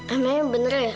emang bener ya